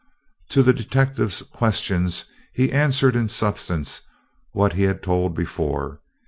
To the detective's questions he answered in substance what he had told before.